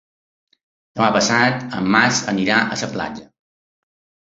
Demà passat en Max anirà a la platja.